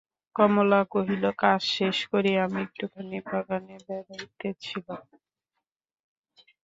কমলা কহিল, কাজ শেষ করিয়া আমি একটুখানি বাগানে বেড়াইতেছিলাম।